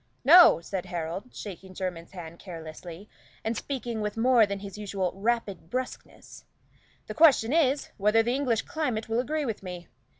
"No," said Harold, shaking Jermyn's hand carelessly, and speaking with more than his usual brusqueness, "the question is, whether the English climate will agree with me.